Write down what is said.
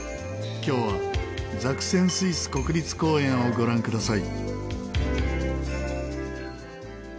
今日はザクセン・スイス国立公園をご覧ください。